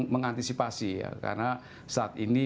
mengantisipasi ya karena saat ini